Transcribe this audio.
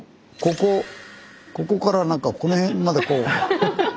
ここからなんかこの辺までこう。